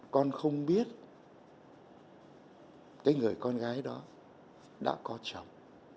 con không biết cái người con gái đó đã có chồng